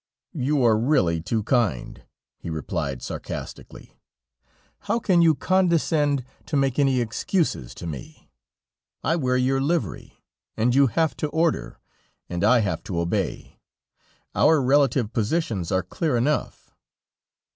"You are really too kind," he replied sarcastically. "How can you condescend to make any excuses to me? I wear your livery, and you have to order, and I have to obey; our relative positions are clear enough."